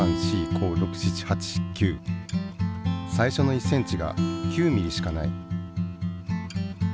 最初の１ｃｍが９ｍｍしかない。